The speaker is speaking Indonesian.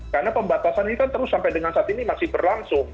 karena pembatasan ini kan terus sampai dengan saat ini masih berlangsung